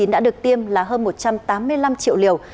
đã được tiêm là hơn một trăm tám mươi năm triệu liều